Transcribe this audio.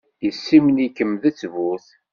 Yessimen-ikem d ttbut.